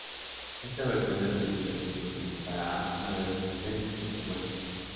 Esta versión del sencillo tiene como Cara A una versión remix del tema original.